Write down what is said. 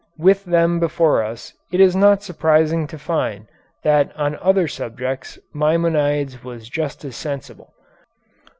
With them before us it is not surprising to find that on other subjects Maimonides was just as sensible.